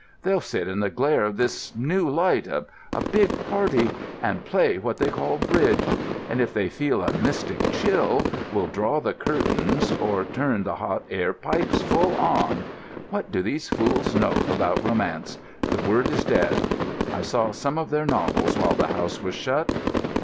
They'll sit in the glare of this new light—a big party—and play what they call Bridge; and if they feel a mystic chill, will draw the curtains or turn the hot air pipes full on.... What do these fools know about Romance? The word is dead. I saw some of their novels while the house was shut.